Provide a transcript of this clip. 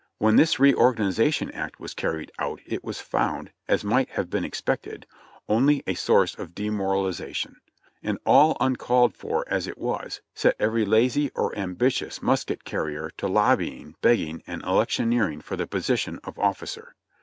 When this reorganization act was carried out it was found — as might have been expected — only a source of demor alization ; and all uncalled for as it was, set every lazy or am bitious musket carrier to lobbying, begging and electioneering for the position of officer.